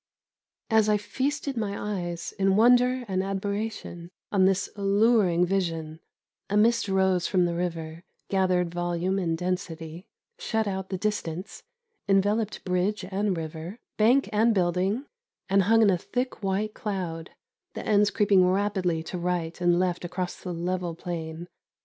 As I feasted my eyes, in wonder and admiration, on this alluring vision, a mist rose from the river, gathered volume and density, shut out the distance, enveloped bridge and river, bank and building, and hung in a thick white cloud, the ends creeping rapidly to right and left across the level plain.